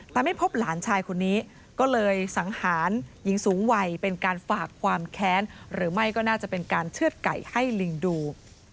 แต่ไม่พบหลานชายคนนี้ก็เลยสังหารหญิงสูงวัยเป็นการฝากความแค้นหรือไม่ก็น่าจะเป็นการเชื่อดไก่ให้ลิงดู